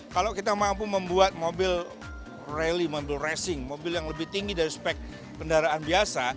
kalau kita mampu membuat mobil rally mobil racing mobil yang lebih tinggi dari spek kendaraan biasa